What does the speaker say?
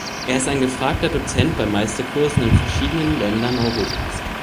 Er ist ein gefragter Dozent bei Meisterkursen in verschiedenen Ländern Europas.